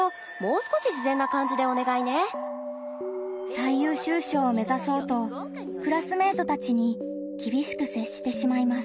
最優秀賞を目ざそうとクラスメートたちに厳しく接してしまいます。